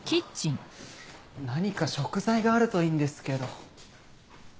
何か食材があるといいんですけど。